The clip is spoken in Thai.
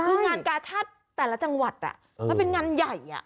คืองานกาชาติแต่ละจังหวัดมันเป็นงานใหญ่